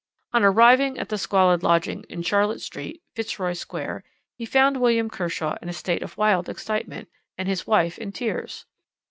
On arriving at the squalid lodging in Charlotte Street, Fitzroy Square, he found William Kershaw in a wild state of excitement, and his wife in tears.